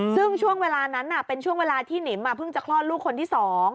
ซึ่งช่วงเวลานั้นเป็นช่วงเวลาที่หนิมเพิ่งจะคลอดลูกคนที่๒